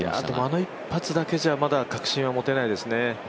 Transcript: あの一発だけじゃまだ確信は持てないですね。